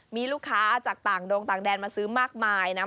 มีลูกค้าจากต่างดงต่างแดนมาซื้อมากมายนะ